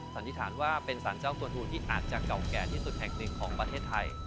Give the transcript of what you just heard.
สันนิษฐานว่าเป็นสารเจ้าตัวทูที่อาจจะเก่าแก่ที่สุดแห่งหนึ่งของประเทศไทย